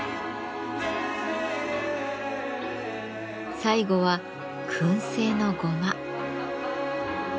最後は燻製のごま。